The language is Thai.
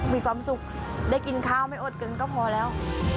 มีความสุขได้กินข้าวไม่อดกันก็พอแล้ว